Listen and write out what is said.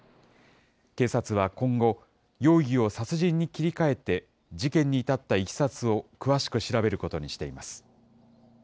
警察は今後、容疑を殺人に切り替えて、事件に至ったいきさつを詳しく調べることにしています。